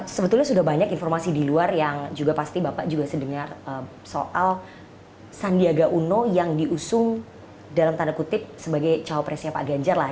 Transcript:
sebetulnya sudah banyak informasi di luar yang juga pasti bapak juga sedengar soal sandiaga uno yang diusung dalam tanda kutip sebagai cawapresnya pak ganjar lah